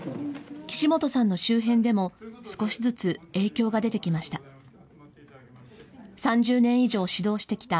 岸本さんの周辺でも、少しずつ影響が出てきました。